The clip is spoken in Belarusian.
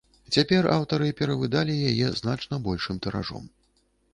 Цяпер аўтары перавыдалі яе значна большым тыражом.